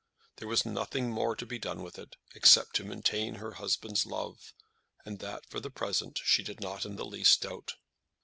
There was nothing more to be done with it, except to maintain her husband's love, and that, for the present, she did not in the least doubt.